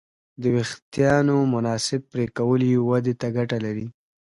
د وېښتیانو مناسب پرېکول یې ودې ته ګټه لري.